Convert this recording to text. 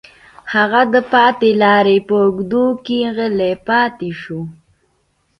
هغه د پاتې لارې په اوږدو کې غلی پاتې شو